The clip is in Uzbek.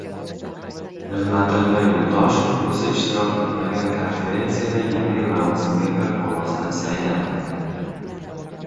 Nig‘matilla Yo‘ldoshev o‘zi ishtirok etmagan konferensiyada yangi lavozimga bir ovozdan saylandi